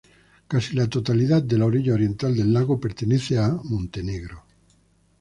Casi la totalidad de la orilla oriental del lago pertenece a Montenegro.